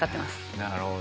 なるほど。